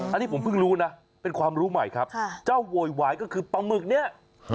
อันนี้ผมเพิ่งรู้นะเป็นความรู้ใหม่ครับเจ้าโวยวายก็คือปลาหมึกเนี่ย